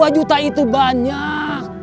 dua juta itu banyak